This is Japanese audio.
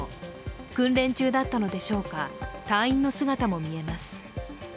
訓練中だったのでしょうか、隊員の姿も見えます。